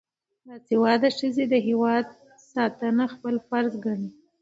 باسواده ښځې د هیواد ساتنه خپل فرض ګڼي.